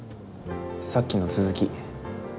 さっきの続き。